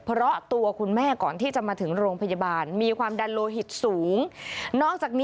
พาพนักงานสอบสวนสนราชบุรณะพาพนักงานสอบสวนสนราชบุรณะ